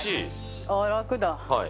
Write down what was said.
あー、楽だ。